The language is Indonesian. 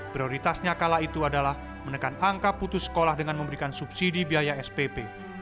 prioritasnya kala itu adalah menekan angka putus sekolah dengan memberikan subsidi biaya spp